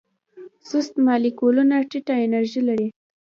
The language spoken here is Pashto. سست مالیکولونه ټیټه انرژي لري.